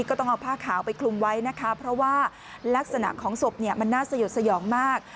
ก็ต้องเอาผ้าขาวไปคลุมไว้นะคะเพราะว่าลักษณะของศพเนี่ยมันน่าสยดสยองมาก